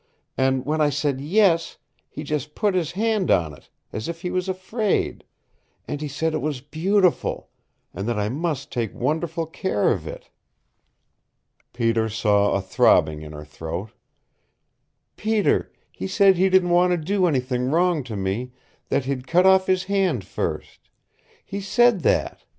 And when I said 'yes' he just put his hand on it, as if he was afraid, and he said it was beautiful, and that I must take wonderful care of it!" Peter saw a throbbing in her throat. "Peter he said he didn't want to do anything wrong to me, that he'd cut off his hand first. He said that!